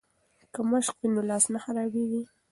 که مشق وي نو لاس نه خرابیږي.